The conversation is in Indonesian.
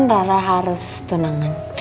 rara harus tenangan